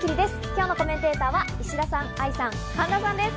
今日のコメンテーターの皆さんです。